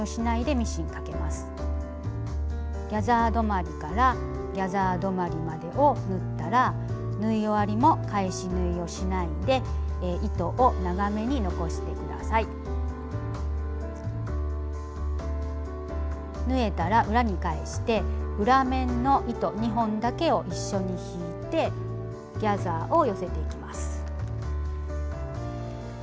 ギャザー止まりからギャザー止まりまでを縫ったら縫えたら裏に返して裏面の糸２本だけを一緒に引いてギャザーを寄せていきます。